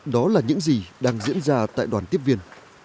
đó là những gì đang diễn ra tại đoàn tiếp viên